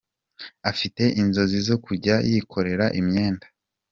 Afite inzozi zo kuzajya yikorera imyenda.